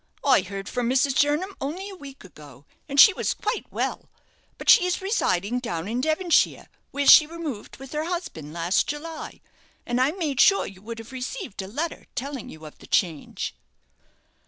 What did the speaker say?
"I heard from Mrs. Jernam only a week ago, and she was quite well; but she is residing down in Devonshire, where she removed with her husband last July; and I made sure you would have received a letter telling you of the change."